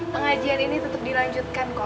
pengajian ini tetap dilanjutkan kok